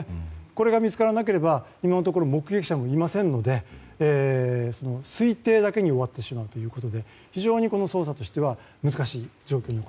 これが見つからなければ今のところ目撃者もいませんので推定だけに終わってしまうということで非常に捜査としては難しい状況です。